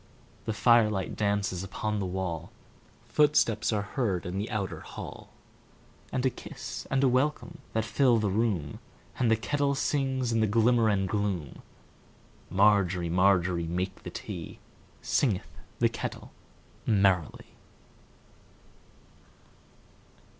The firelight dances upon the wall, Footsteps are heard in the outer hall, And a kiss and a welcome that fill the room, And the kettle sings in the glimmer and gloom. Margery, Margery, make the tea, Singeth the kettle merrily.